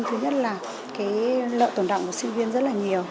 thứ nhất là lợi tổn đạo của sinh viên rất là nhiều